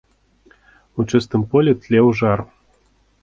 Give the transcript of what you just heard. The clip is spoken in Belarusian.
У чыстым полі тлеў жар.